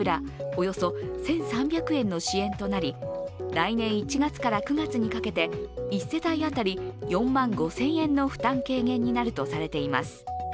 およそ１３００円の支援となり来年１月から９月にかけて１世帯当たり４万５０００円の負担軽減になるとされています。